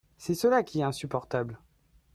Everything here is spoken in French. C’est cela qui est insupportable.